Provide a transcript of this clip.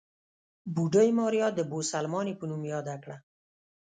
بوډۍ ماريا د بوسلمانې په نوم ياده کړه.